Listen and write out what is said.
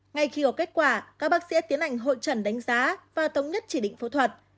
ngay khi có kết quả các bác sĩ tiến hành hội trần đánh giá và thống nhất chỉ định phẫu thuật